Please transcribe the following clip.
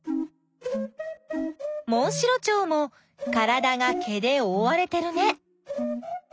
モンシロチョウもからだが毛でおおわれてるね。